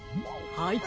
はい。